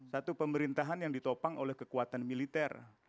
satu pemerintahan yang ditopang oleh kekuatan militer